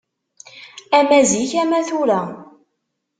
Ama zik ama tura